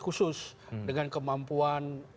khusus dengan kemampuan